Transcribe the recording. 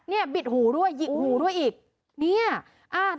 นี่บิดหูด้วยหยิกหูด้วยอีก